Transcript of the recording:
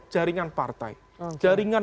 jaringan partai jaringan